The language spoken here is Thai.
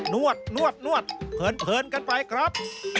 นวดเผินกันไปครับ